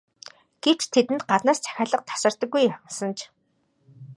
Гэвч тэдэнд гаднаас захиалга тасардаггүй юмсанж.